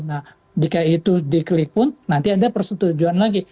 nah jika itu diklik pun nanti ada persetujuan lagi